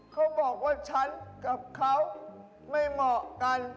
เขาบอกว่าฉันกับเขาไม่เหมาะกัน